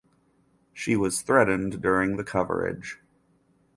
She was threatened during the coverage.